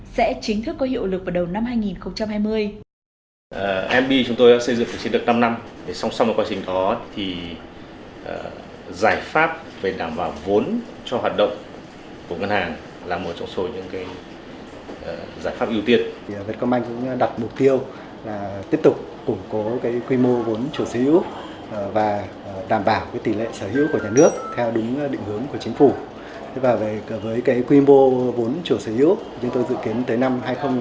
sẽ chính thức có hiệu lực vào đầu năm hai nghìn hai mươi